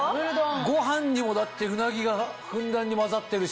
ご飯にもだってうなぎがふんだんに混ざってるし。